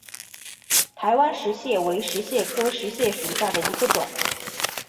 台湾石蟹为石蟹科石蟹属下的一个种。